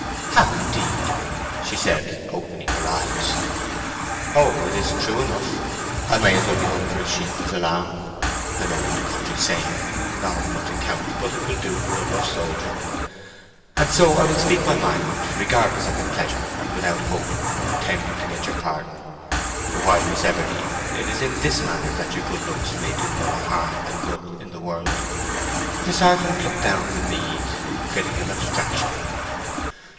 "How—indeed?" she said, opening her eyes. "Oh, it is true enough. I may as well be hung for a sheep as a lamb (an old country saying, not of much account, but it will do for a rough soldier), and so I will speak my mind, regardless of your pleasure, and without hoping or intending to get your pardon. Why, Miss Everdene, it is in this manner that your good looks may do more harm than good in the world." The sergeant looked down the mead in critical abstraction.